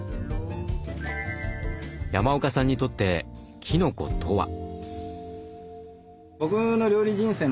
山岡さんにとってきのことは？